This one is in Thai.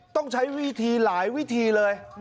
ต้องใช้วิธีหลายวิธีเลย